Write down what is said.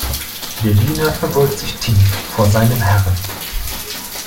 Der Diener verbeugt sich tief vor seinem Herrn.